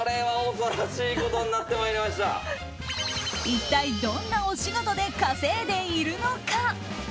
一体どんなお仕事で稼いでいるのか。